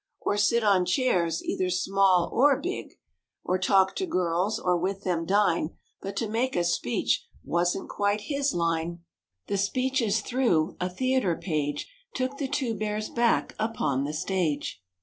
Or sit on chairs either small or big, Or talk to girls or with them dine, But to make a speech wasn't quite his line. I The speeches through, a theatre page Took the two Bears back upon the stage.